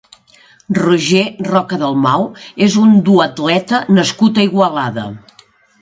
Roger Roca Dalmau és un duatleta nascut a Igualada.